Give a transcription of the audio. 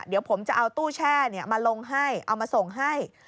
เดี๋ยวผมจะเอาตู้แช่มาลงให้เอามาส่งให้